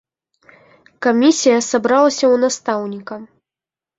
Камісія сабралася ў настаўніка.